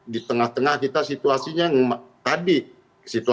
di tengah tengah kita situasinya tadi